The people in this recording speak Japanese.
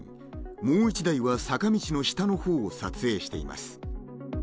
もう１台は坂道の下のほうを撮影しています